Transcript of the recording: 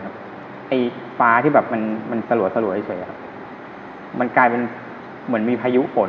ไอ้ฟ้าที่แบบมันมันสลัวเฉยครับมันกลายเป็นเหมือนมีพายุฝน